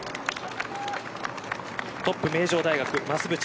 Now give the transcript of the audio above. トップ名城大学、増渕。